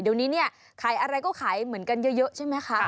เดี๋ยวนี้เนี่ยขายอะไรก็ขายเหมือนกันเยอะใช่ไหมคะ